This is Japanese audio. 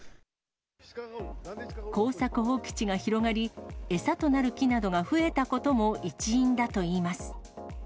耕作放棄地が広がり、餌となる木などが増えたことも一因だといいます。